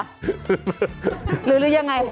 หรือยังไง